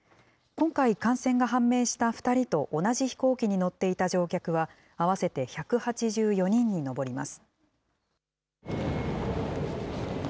今回、感染が判明した２人と同じ飛行機に乗っていた乗客は合わせて１８４人に上ります。